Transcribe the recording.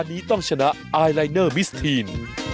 อันนี้ต้องชนะไอลายเนอร์มิสทีน